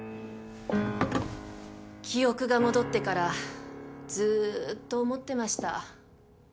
記憶が戻ってからずーっと思ってました。